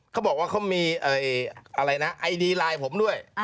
เขาบอกว่าเขามีอะไรนะไอดีไลน์ผมด้วย